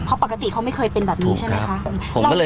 เพราะปกติเขาไม่เคยเป็นแบบนี้ใช่ไหมคะ